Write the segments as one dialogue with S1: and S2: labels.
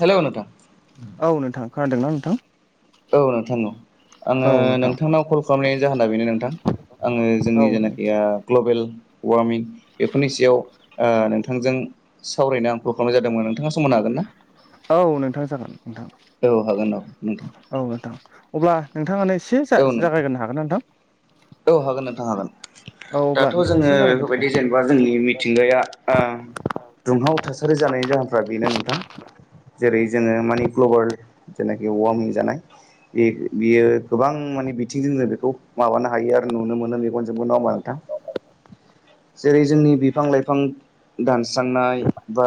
S1: Hello नोंथां
S2: खोनादों ना नोंथां?
S1: औ नोंथां औ आङो
S2: औ नोंथां
S1: नोंथांनाव कल खालामनायनि जाहोना बेनो नोंथां आङो
S2: औ
S1: जोंनि जेनाखिया ग्लबेल वार्मिं बेफोरनि सायाव ओ नोंथांजों सावरायनो आं कल खालामनाय जादोंमोन नोंथाङा समनो हागो ना?
S2: औ नोंथां जागोन
S1: हागोन ना औ हागोन औ नोंथां
S2: नोंथां औ नोंथां अब्ला नोंथाङाआनो एसे
S1: औ
S2: जागायग्रनो हागोन ना नोंथां?
S1: औ हागोन नोंथां हागोन
S2: औ अब्ला
S1: दाथ
S2: नोंथाङा
S1: जोङो
S2: एसे जागायग्रोदो दे
S1: बेफोरबायदि जेनेबा जोंनि मिथिंगाया ओ दुंहाव थासारि जानाय जाहोनफ्रा बेनो नोंथां। जेरै जोङो माने ग्लबेल जेनाखि वार्मिं जानाय बियो गोबां माने बिथिंजों जोङो बेखौ माबानो हायो आरो नुनो मोनो मेगनजोंबो नामा नोंथां जेरै जोंनि बिफां लाइफां दानस्रांनाय बा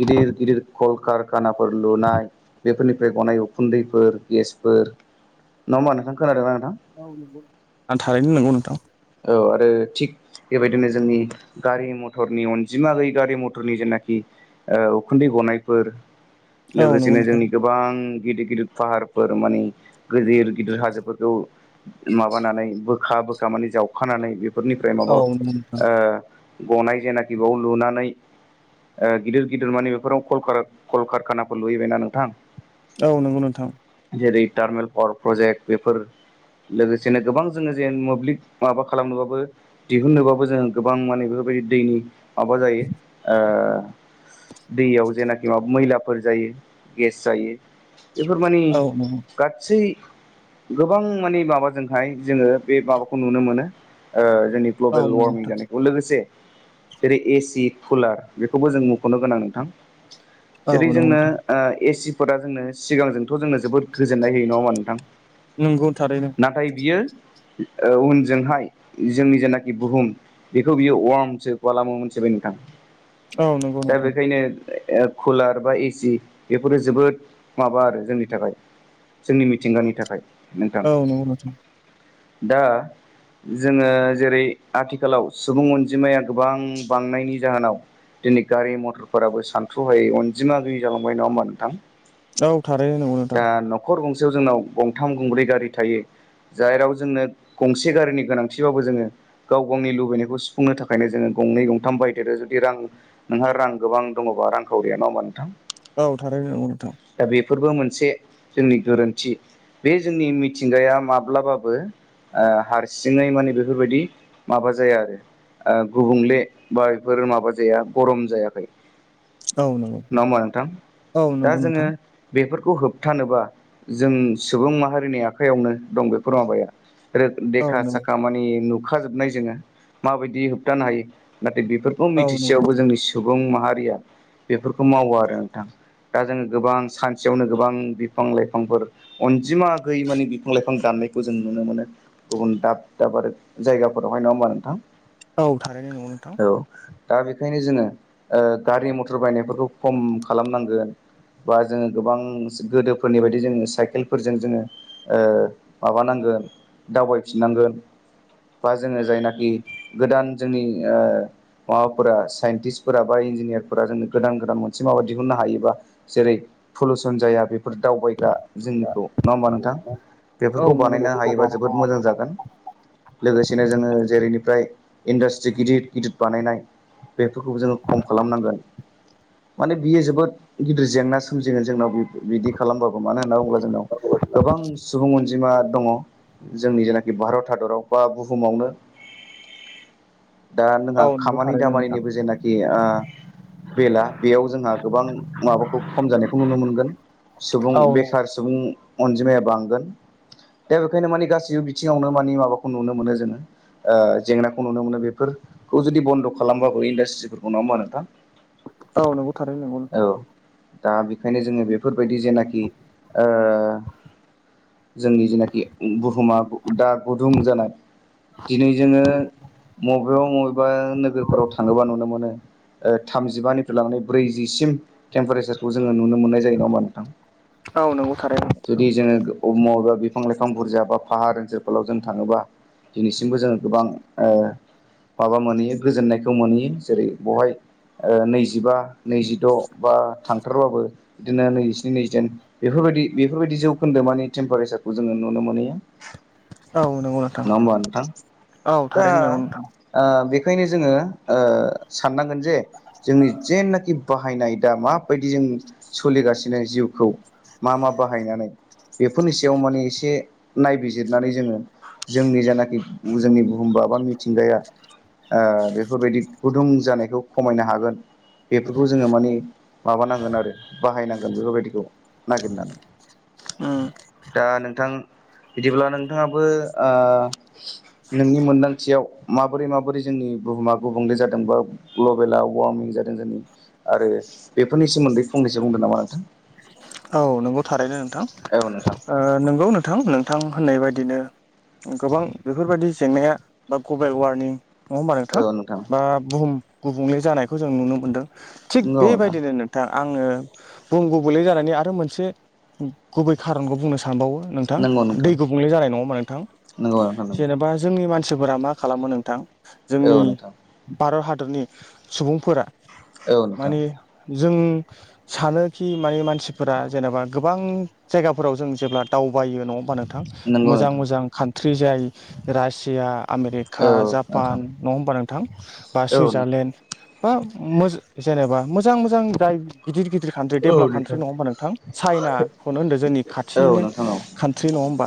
S1: गिदिर गिदिर कलकारखानाफोर लुनाय बेफोरनिफ्राय गनाय उखुन्दैफोर गेसफोर नङा होमबा नोंथां खोनादोंमोना नोंथां
S2: औ नंगौ आं थारैनो नंगौ नोंथां।
S1: औ आरो थिग बेबायदिनो जोंनि गारि मथरनि अनजिमा गैयै गारि मथरनि जेनाखि ओ उखुन्दै गनायफोर
S2: औ नंगौ
S1: लोगोसेनो
S2: नोंथां
S1: जोंनि गोबां गिदिर गिदिर फाहारफोर मानि गिदिर गिदिर हाजोफोरखौ माबानानै बोखा बोखा माने जावखानानै बेफोरनिफ्राय माबा
S2: औ
S1: ओ
S2: नंगौ नोंथां
S1: गनाय जेनाखि बेयाव लुनानै ओ गिदिर गिदिर मानि बेफोराव कल खारा-कलकारखानाफोर लुहैबायना नोंथां
S2: औ नंगौ नोंथां।
S1: जेरै टार्मेल पावार प्रजेक्ट बेफोर लोगोसेनो गोबां जोङो जे मोब्लिब माबा खालामनोबाबो दिहुननोबाबो जोङो गोबां माने बेफोरबायदि दैनि माबा जायो ओ दैयाव जेनाखि माबा मैलाफोर जायो गेस जायो बेफोर मानि
S2: औ नंगौ
S1: गासै गोबां माने माबाजोंहाय जोङो बे माबाखौ खौ नुनो मोनो ओ जोंनि
S2: औ
S1: ग्लबेल
S2: नंगौ
S1: वार्मिं
S2: नोंथां
S1: जानायखौ लोगोसे जेरै ए सि कुलार बेखौबो जों मुख'नो गोनां नोंथां
S2: औ
S1: जेरै
S2: नंगौ
S1: जोंनो
S2: नोंथां
S1: ओ ए सि फोरा जोंनो सिगांजों थ' जोंनो जोबोद गोजोन्नाय होयो नङामा नोंथां
S2: नंगौ थारैनो
S1: नाथाय बियो ओ उनजोंहाय जोंनि जेनाखि बुहुम बेखौ बियो अर्मसो खालामो मोनथिबाय नोंथां।
S2: औ नंगौ
S1: दा
S2: नोंथां
S1: बेखायनो कुलार बा एसि बेफोरो जोबोद माबा आरो जोंनि थाखाय जोंनि मिथिंगानि थाखाय नोंथां
S2: औ नंगौ नोंथां
S1: दा जोङो जेरै आथिखालाव सुबुं अनजिमाया गोबां बांनायनि जाहोनाव दिनै गारि मथरफोराबो सानथ्र' हायै अनजिमा गैयि जालांबाय नङा होमबा नोंथां
S2: औ थारैनो नंगौना नोंथां।
S1: नसेयाव जोंनाव गंथाम गंब्रै गारि थायो जेनाव जोंनो गंसे गारिनि गोनांथिबाबो जोङो गाव गावनि लुबैनायखौ सुफुंनो थाखायनो जोङो गंनै गंथाम बायदेरो जुदि रां नोंहा रां गोबां दङ'बा रांखावरिया नङा होमबा नोंथां?
S2: औ थारैनो नोंगौ नोंथां।
S1: दा बेफोरबो मोनसे जोंनि गोरोन्थि बे जोंनि मिथिंगाया माब्लाबाबो ओ हारसिङै माने बेफोर बायदि माबा जाया आरो गुबुंले बा बेफोर माबा जाया गरम जायाखै
S2: औ नंगौ
S1: नङा होममा नोंथां?
S2: औ
S1: दा
S2: नंगौ
S1: जोङो
S2: नोंथां
S1: बेफोर खौ होबथानोबा जों सुबुं माहारिनि आखाइयावनो दं बेफोर माबाया रो
S2: औ नंगौ
S1: देखा-साखा मानि नुखाजोबनाय जोङो माबायदि होबथानो हायो नाथाय बेफोरखौ
S2: औ नंगौ
S1: मिथिसेयावबो
S2: नोंथां
S1: जोंनि सुबुं माहारिया बेफोरखौ मावो आरो नोंथां दा जोङो गोबां सानसेयावनो गोबां बिफां लाइफांफोर अनजिमा गैयै माने बिफां लाइफां दानो नायखौ जों नुनो मोनो गुबुन दाब दाब आरो जायगाफोरावहाय नङा होमबा नोंथां?
S2: औ थारैनाय नगौ नोंथां
S1: औ दा बेखायनो जोङो गारि मथर बायनायफोरखौ खम खालामनांगोन बा जोङो गोबां गोदोफोरनि बायदि जोङो साइकेलफोरजों जोङो माबानांगौ दावबायफिननांगोन बा जोङो जायनाखि गोदान जोंनि ओ माबाफोरा साइन्टिस्टफोरा बा इन्जिनियारफोरा जोंनो गोदान गोदान मोनसे माबा दिहुननो हायोबा जेरै पलुसन जाया बेफोर दावबायग्रा जोंनिखौ नङा होमबा नोंथां
S2: औ
S1: बेफोरखौ
S2: नंगौ
S1: बानायनो
S2: नोंथां
S1: हायोबा जो
S2: थारैनो
S1: बोद मोजां जागोन। लोगोसेनो जोङो जेरै निफ्राय इन्डास्ट्रि गिदिर गिदिर बानायनाय बेफोरखौबो जोङो खम खालामनांगोन माने बियो जोबोद गिदिर जेंना सोमजिगोन जोंनाव बे बिदि खालामबाबो मानो होनना बुङोब्ला जोंनाव गोबां सुबुं अनजिमा दङ जोंनि जेनाखि भारत हादराव बा बुहुमावनो दा
S2: औ
S1: जोंहा
S2: नंगौ
S1: खामानि
S2: थारैनो नोंथां
S1: दामानिनिबो जेनाखि आ बेला बेयाव जोंहा गोबां माबाखौ खम जानायखौ नुनो मोनगोन सुबुं
S2: औ
S1: बेखार सुबुं अनजिमाया बांगोन दा बे ओंखायनो मानिे गासैबो बिथिङावनो माने माबाखौ नुनो मोनो जोङो ओ जेंनाखौ नुनो मोनो बेफोरखौ जुदि बन्द खालामबाबो इन्डासट्रिफोरखौ नङा होमबा नोंथां
S2: औ नंगौ थारै नंगौ
S1: औ
S2: नोंथां
S1: दा बेखायनो जोङो बेफोरबायदि जेनाखि ओ जोंनि जेनाखि बुहुमा दा गुदुं जानाय दिनै जोङो मबेयाव मबेबा नोगोरफोराव थाङोबा नुनो मोनो थामजिबानिफ्राय लांनानै ब्रैजिसि सिम टेमपारेसारखौ जोङो नुनो मोननाय जायो नङा होनबा नोंथां
S2: औ नंगौ थारैनो नोंथां
S1: जुदि जोङो माबेबा बिफां लाइफां फां बुरजा बा पाहार ओनसोलफोराव जों थाङोबा दिनैसिमबो जोङो गोबां माबा मोनहैयो गोजोननायखौ मोनहैयो जेरै बेहाय नैजिबा नैजिद बा थांथारबाबो बिदिनो नैजिस्नि नैजिदाइन बेफोर बेफोरबायदि बेफोरबायदि जौनदोनि टेम्पार जोङो नुनो मोनहयो
S2: औ नंगौ नोंथां।
S1: नङा होनबा नोंथां
S2: औ
S1: दा
S2: थारैनो नंगौ नोंथां
S1: बे बेखायनो जोङो ओ साननांगोन जे जोंनि जेनाखि बाहायनाय दा माबायदि जों सोलिगासिनो जिउखौ मा मा बाहायनानै बेफोरनि सायाव माने एसे नायबिजिरनानै जोङो जोंनि जेनााखि जोंनि बुहुमबा बबा मिथिंगाया ओ बेफोरबायदि गुदुं जानायखौ खमायनो हागोन बेफोरखौ जोङो माने माबानांगोन आरो बाहायनांगोन बेफोरबायदिखौ नागिरनानै
S2: उम
S1: थां बिदिब्ला नोंथाङाबो आं नोंनि मोन्दांथियाव माबोरै माबोरै जोंनि बुहुमा गुबुंले जादों बा ग्लबेला वारमिं जादों जोंनि आरो बेफोरनि सोमोन्दै फं नैसो बुंदो नामा नोंथां
S2: औ नोंगौ थारैनो नोंथां
S1: औ नोंथां
S2: ओ नोंगौ नों नोंथां नोंथां होननाय बायदिनो गोबां बेफोरबायदि जेंनाया बा ग्लबेल वारनिं नङा होमबा नोंथां बा बुहुम गुबुंले जानायखौ जों नुनो मोनदों थिग बेबायदिनो नोंथां आङो बुहुम गुबुंले जानाय आरो मोनसे गुबै खारनखौ बुंनो सान सांनबावो नोंथां
S1: नंगौ
S2: दै
S1: नोंथां
S2: गुबुंले जानाय नङा होनबा नोंथां
S1: नंगौ नोंथां नंगौ
S2: जेनेबा जोंनि मानसि सुबुंफोरा मा खालामो नोंथां
S1: औ
S2: जोंनि
S1: नोंथां
S2: भारत हादरनि सुबुंफोरा
S1: औ नोंथां
S2: माने जों सानोखि माने मानसि फोरा जेनेबा गोबां जायगाफोराव जों जेब्ला दावबायो नङा होनबा नोंथां
S1: नंगौ
S2: मोजां
S1: नोंथां
S2: मोजां खान थ्रिजाय रासिया आमेरिका
S1: औ
S2: जापान
S1: नोंथां
S2: नङा होमबा नोंथां बा
S1: औ नोंथां
S2: सुइजारलेण्ड बा मोजां जेनेबा मोजां मोजां दाय गिदिर गिदिर कान्ट्रि
S1: औ
S2: दडेभलप कान्ट्रि
S1: नोंथां
S2: नङा नोंथां चाइनाखौनो होनदो जोंनि
S1: औ
S2: खाथिनिनो
S1: नोंथां औ
S2: कान्ट्रि नङा होमबा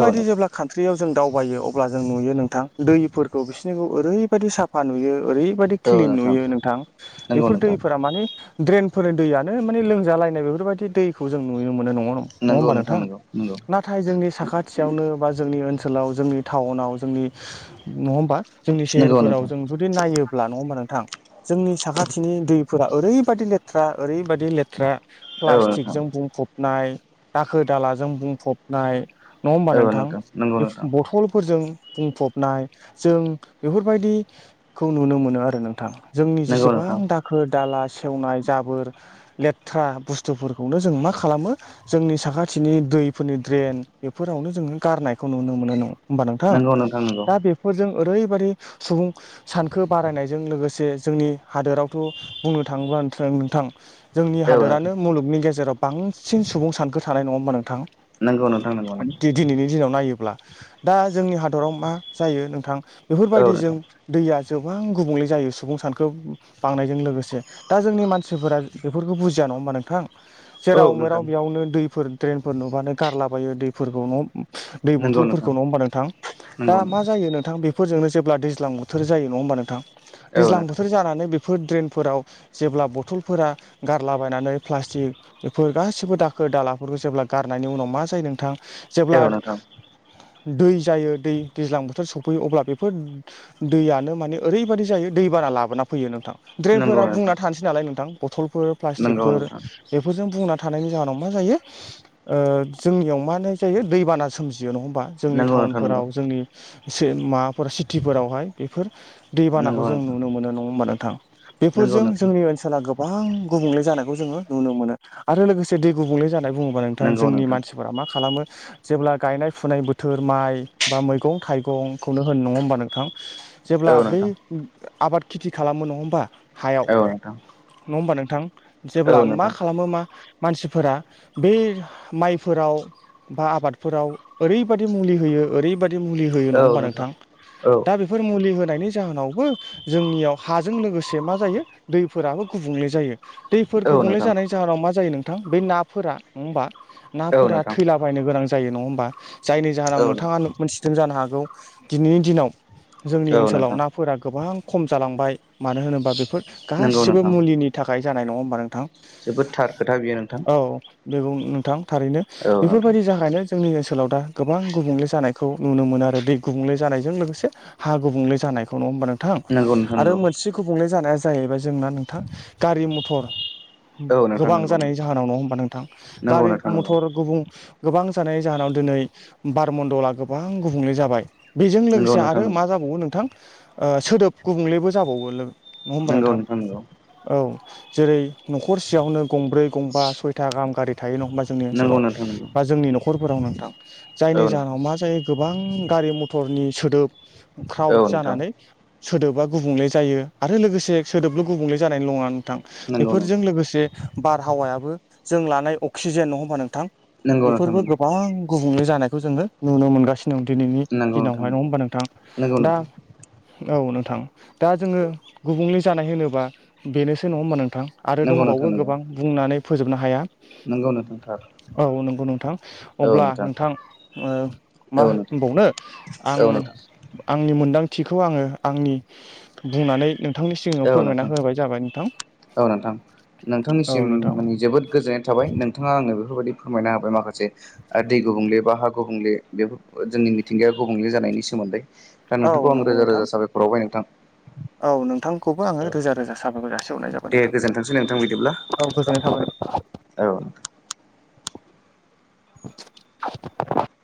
S1: औ नोंथां
S2: जेब्ला खान्ट्रियाव जों दावबायो अब्ला जों नुयो नोंथां दैफोरखौ बिसोरनिखौ ओरैबायदि साफा नुयो ओरै बायदि क्लिन नुयो नोंथां
S1: नंगौ
S2: बेफोर
S1: नोंथां
S2: दैफोरा माने द्रेनफोरनि दैयानो माने लोंजाला बेफोरबायदि दैखौ जों नुनो मोनो नङा नङा होनबा
S1: नंगौ
S2: नोंथां
S1: नंगौ नंगौ
S2: नाथाय जोंनि साखथियावनो बा जोंनि ओनसोलाव जोंनि टाउनाव जोंनि नङा होनबा जोंनि
S1: नंगौ
S2: सहेरफोराव
S1: नोंथां
S2: जों जुदि नायोब्ला नङा होमबा नोंथां जोंनि साखाथिनि दैफोरा ओरैबायदि लेथ्रा ओरैबायादि लेथ्रा
S1: औ नोंथां
S2: प्लास्टिकजों बुंफबनाय दाखोर दालाजों बुंफबनाय नङा होमबा
S1: औ
S2: नोंथां
S1: नंगौ
S2: बे
S1: नोंथां
S2: बथलफोरजों बुंफबनाय जों बेफोरबायदिखौ नुनो मोनो आरो नोंथां जोंनि
S1: नंगौ
S2: जेसेबां
S1: नोंथां
S2: दाखोर दाला सेवनाय जाबोर लेथ्रा बुस स्थुफोरखौनो जों मा खालामो जोंनि साखाथिनि दैफोरनि ड्रेन बेफोरावनो जोङो गारनायखौ खौ नुनो मोनो नों ओमबा नोंथां
S1: नंगौ नंगौ
S2: दा बेफोरजों ओरैबादि सुबुं सानखो बारायनायजों लोगोसे जोंनि हादोरावथ' बुंनो थाङोब्ला बान थ्रों नोंथां जोंनि
S1: औ नोंथां
S2: हादोरानो मुलुगनि गेजेराव बांसिन सुबुं सानखो थानाय नङा होमबा नोंथां
S1: नंगौ नोंथां
S2: दि
S1: नंगौ
S2: दिनैनि दिनाव नायो ब्ला दा जोंनि हादोराव मा जायो नोंथां
S1: नंगौ औ
S2: बेफोरबायदि जों
S1: नोंथां
S2: दैया जोबों गुबुंले जायो सुबुं सानखो बांनायजों लोगोसे दा जोंनि मानसिफोरा बेफोरखौ बुजिया नङा होमबा नों जेराव
S1: औ
S2: मेराव
S1: नोंथां
S2: बेयावनो दैफोर द्रेनफोर नुबानो गारलाबायो दैफोरखौ न' दै
S1: नंगौ नोंथां
S2: बथलफोरखौ नङा होमबा नोंथां दा
S1: नंगौ
S2: मा
S1: नोंथां
S2: जायो नोंथां बे फोरजोंनो जेब्ला दैज्लां बोथोर जायो नङा होमबा नोंथां
S1: औ
S2: दैज्लां
S1: नोंथां
S2: बोथोर जानानै बै फोर ड्रेनफोराव जेब्ला बथलफोरा गारलाबायनानै प्लास्टिक बेफोर गासिबो दाखोर दालाफोरखौ जेब्ला गारनायनि उनाव मा जायो नोंथां जेब्ला
S1: औ नोंथां
S2: दै जायो दै दैज्लां बोथोर सफैयो अब्ला बेफोर दैयानो माने ओरैबायदि जायो दै बाना लाबोना फैयो नोंथां
S1: नंगौ
S2: ड्रेनफोरा बुंना
S1: नोंथां
S2: थानोसै नालाय नोंथां बथलफोर
S1: नंगौ
S2: प्लास्टिकफोर
S1: नोंथां
S2: बेफोरजों बुंना थानायनि जाहोनाव मा जायो ओ जोंनियाव मा नो जायो दैबाना सोमजि जियो नङा होनबा जोंनि
S1: नंगौ नोंथां नंगौ
S2: टाउनफोराव जोंनि सि माबाफोर सिटिफोरावहाय बेफोर दैबानाखौ
S1: नंगौ
S2: जों
S1: नोंथां
S2: नुनो मोनो नङा होमबा नोंथां
S1: नंगौ
S2: बेफोरजों
S1: नोंथां
S2: जोंनि ओनसोला गोब बां गुबुंले जानायखौ जोङो नुनो मोनो आरो लोगोसे दै गुबुंले जानाय बुङोब्ला नोंथां जोंनि मानसिफोरा मा खालामो जेब्ला गायनाय फुनाय बोथोर माइ बा मैगं थाइगंखौनो होन नङा होमबा नोंथां जेब्ला
S1: औ
S2: बै
S1: नोंथां
S2: आबाद खेथि खालामो नङा होमबा हायाव
S1: औ नोंथां
S2: नङा होमबा नोंथां जेब्ला
S1: औ
S2: मा
S1: नोंथां
S2: खालामो मा मानसिफोरा बे माइफोराव बा आबादफोराव ओरैबायदि मुलि होयो ओरैबायदि मुलि होयो नङा होमबा नोंथां
S1: औ
S2: दा बेफोर मुलि हो नायनि जाहोनावबो जोंनियाव हाजों लोगोसे मा जायो दैफोराबो गुबुंले जायो दै
S1: औ
S2: गुबुंले
S1: नोंथां
S2: जानायनि जाहोनाव मा जायो नोंथां बै नाफोरा नङा होमबा
S1: औ नोंथां औ
S2: नाफोरा
S1: नोंथां
S2: थैलाबायायनो गोनां जा जायो नङा होमबा जायनि जाहोनाव नोंथाङा
S1: औ
S2: मोनथिदों जानो हागौ दिनैनि दिनाव जोंनि ओनसोलाव
S1: नोंथां
S2: नाफोरा गोबां खम जालांबाय मानो होनोबा बेफोर
S1: नंगौ
S2: गासिबो
S1: नोंथां
S2: मुलिनि थाखाय जानाय नङा होमबा नो थां
S1: जोबोद थार खोथा बियो नोंथां
S2: औ बे बो नोंथां थारैनो
S1: औ नोंथां
S2: बेफोरबायदि जाखायनो जोंनि ओनसोलाव दा गोबां गुबुंले जानायखौ नुनो मोनो आरो दै गुबुंले जानायजों लोगोसे हा गुबुंले जा नायखौ नङा होनबा नो थां
S1: नंगौ नोंथां
S2: आरो
S1: नंगौ
S2: मोनसे गुबुंले जानाया जाहैबाय जोंना नोंथां गारि मथर
S1: औ नोंथां
S2: गोबां
S1: नंगौ
S2: जानायनि जाहोनाव नङा होमबा नोंथां
S1: नंगौ
S2: गारि मथर गुबुं गोबां जानायनि जाहोनाव दिनै बार मन्दला गोबां गुबुंले जाबाय बेजों लोगोसे
S1: नोंथां
S2: आरो मा
S1: नंगौ
S2: जाबावो ओ नोंथां सोदोब गुबुंलेबो जाबावो नों नङा होमबा
S1: नंगौ
S2: नोंथां
S1: नंगौ
S2: औ जेरै न'खरसेयावनो गंब्रै गंबा सयथा गाहाम गारि थायो नङा होमबा जोंनि
S1: नंगौ
S2: ओनसोलाव
S1: नोंथां नंगौ नोंथां नंगौ
S2: बा जोंनि न'खरफोराव नोंथां जायनि जाहोनाव मा जायो गोबां गारि मथरनि सोदोब
S1: औ नोंथां औ
S2: क्राउड
S1: नोंथां
S2: जानानै सोदोबा गुबुंले जायो आरो लोगोसे सोदोबल' गुबुंले जानाय नङा नोंथां
S1: नंगौ
S2: बेफोरजों लोगोसे बारहावायाबो जों लानाय अक्सिजेन नङा होमबा नोंथां बेफोरबो
S1: नोंथां
S2: गोबां गुबुंले जानायखौ जोङो नुनो मोनगासि नो दिनैनि
S1: नंगौ नोंथां नंगौ
S2: दिनावहाय नङा होमबा नोंथां
S1: नंगौ
S2: दा
S1: नोंथां
S2: औ नों थां दा जोङो गुबुंले जानाय होनोब्ला बेनोसो नङा होमबा नोंथां। आरो दंबावो गोबां बुंनानै फोजोबनो हाया।
S1: नोंगौ नोंथां थार
S2: औ नंगौ नोंथां अब्ला नोंथां ओ
S1: औ
S2: माह
S1: नोंथां
S2: होनबावनो आं
S1: औ नोंथां
S2: आंनि मोनदां थिखौ आङो आंनि बुंनानै नोंथांनि सिगाङाव फोरमायना होआबाय जाबाय नोंथां।
S1: आं
S2: औ
S1: नोंथांनिसिम
S2: नोंथां
S1: माने जोबोद गोजोननाय थाबाय नोंथाङा आंनो बेफोरबायदि फोरमायना होबाय माखासे ओ दै गुबुंले बा हा गुबुंले बेफोर जोंनि मिथिंगाया गुबुंले जानायनि सोमोन्दै। दा
S2: औ
S1: नोंथांखौ आं
S2: नंगौ
S1: रोजा
S2: नोंथां
S1: रोजा‌ साबायखर आवबाय नोंथां।
S2: औ नोंथां। खौबो आङो रोजा रोजा साबायखर जासिहरनाय जाबाय
S1: दे
S2: नोंथां।
S1: गोजोनथोंसै नोंथां बिदिब्ला
S2: औव गोजोननाय थाबाय नोंथ
S1: औ
S2: [unintelligible]